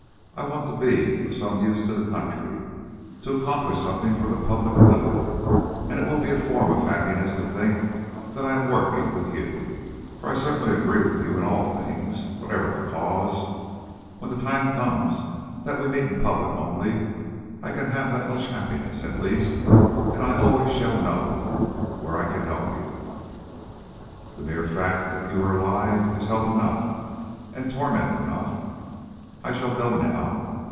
I want to be of some use to the country, to accomplish something for the public good; and it will be a form of happiness to think that I am working with you for I certainly agree with you in all things, whatever the cause. When the time comes that we meet in public only, I can have that much happiness at least; and I always shall know where I can help you " "The mere fact that you are alive is help enough and torment enough. I shall go now.